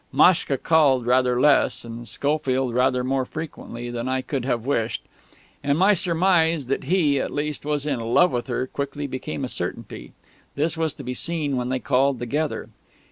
Maschka called rather less, and Schofield rather more frequently, than I could have wished; and my surmise that he, at least, was in love with her, quickly became a certainty. This was to be seen when they called together.